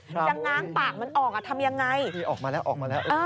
จะง้างปากมันออกทำอย่างไรออกมาแล้ว